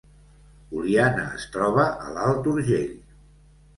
Oliana es troba a l’Alt Urgell